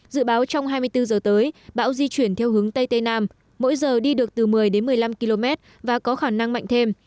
dự báo trong hai mươi bốn giờ tới bão di chuyển theo hướng tây tây nam mỗi giờ đi được từ một mươi đến một mươi năm km và có khả năng mạnh thêm